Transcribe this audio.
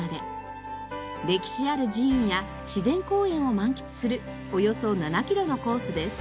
歴史ある寺院や自然公園を満喫するおよそ７キロのコースです。